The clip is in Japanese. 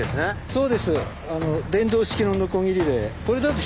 そうです。